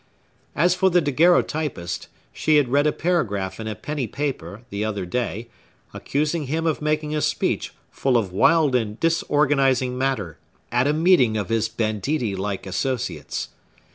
As for the daguerreotypist, she had read a paragraph in a penny paper, the other day, accusing him of making a speech full of wild and disorganizing matter, at a meeting of his banditti like associates.